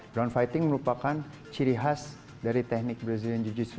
ground fighting merupakan ciri khas dari teknik brazilian jiu jitsu